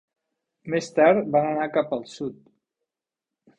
Més tard van anar cap al sud.